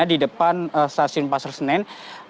di depan stasiun pasar senen